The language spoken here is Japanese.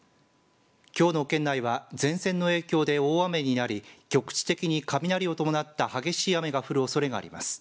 きょうの県内は前線の影響で大雨になり局地的に雷を伴った激しい雨が降るおそれがあります。